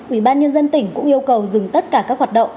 ubnd tỉnh cũng yêu cầu dừng tất cả các hoạt động